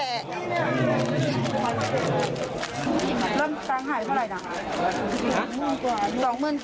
เริ่มกวาดค้างหายเท่าไหร่นะคะ